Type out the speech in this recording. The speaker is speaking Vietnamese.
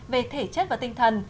về thể chất và tinh thần